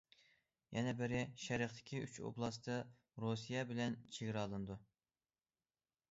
يەنە بىرى، شەرقتىكى ئۈچ ئوبلاست رۇسىيە بىلەن چېگرالىنىدۇ.